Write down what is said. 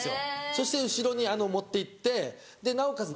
そして後ろに持っていってなおかつ